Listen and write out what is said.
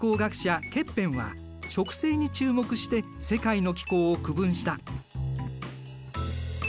ケッペンは植生に注目して世界の気候を区分した。